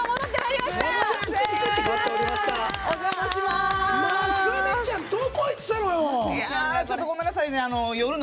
ますみちゃんどこ行ってたの！